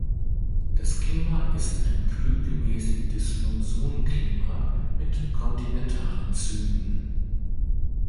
Das Klima ist ein kühlgemäßigtes Monsunklima mit kontinentalen Zügen.